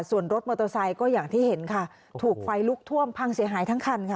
ส่วนรถมอเตอร์ไซค์ก็อย่างที่เห็นค่ะถูกไฟลุกท่วมพังเสียหายทั้งคันค่ะ